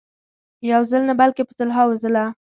یو ځل نه بلکې په سلهاوو ځله.